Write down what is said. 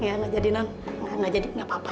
ya nggak jadi non nggak jadi nggak apa apa